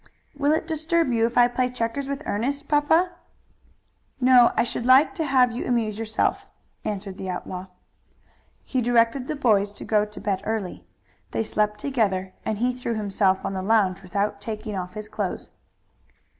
"Will it disturb you if I play checkers with Ernest, papa?" "No, I should like to have you amuse yourself," answered the outlaw. He directed the boys to go to bed early. They slept together and he threw himself on the lounge without taking off his clothes.